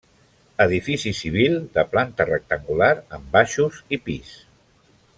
Edifici civil de planta rectangular amb baixos i pis.